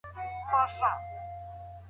د هرات صنعت کي کارګران څه رول لري؟